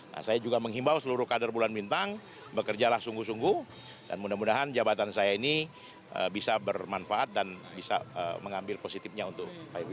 nah saya juga menghimbau seluruh kader bulan bintang bekerjalah sungguh sungguh dan mudah mudahan jabatan saya ini bisa bermanfaat dan bisa mengambil positifnya untuk pak sby